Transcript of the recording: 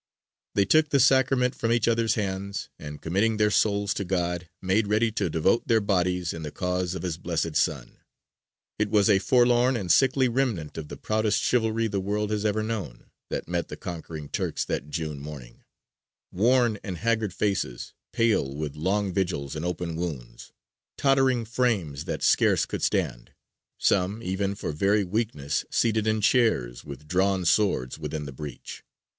They took the Sacrament from each other's hands, and "committing their souls to God made ready to devote their bodies in the cause of His Blessed Son." It was a forlorn and sickly remnant of the proudest chivalry the world has ever known, that met the conquering Turks that June morning: worn and haggard faces, pale with long vigils and open wounds; tottering frames that scarce could stand; some even for very weakness seated in chairs, with drawn swords, within the breach.